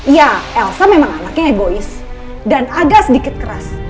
ya elsa memang anaknya egois dan ada sedikit keras